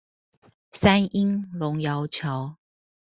三鶯龍窯橋